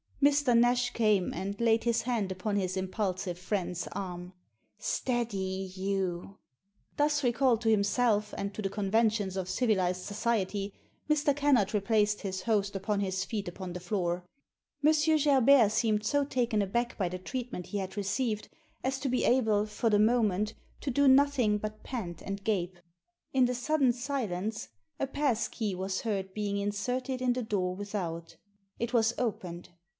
Mr. Nash came and laid his hand upon his im pulsive friend's arm. "Steady, Hugh!" Thus recalled to himself, and to the conventions of civilised society, Mr. Kennard replaced his host upon his feet upon the floor. Ml Gerbert seemed so taken aback by the treatment he had received as to be able, for the moment, to do nothing but pant and gape. In the sudden silence a pass key was heard being inserted in the door without It was opeped.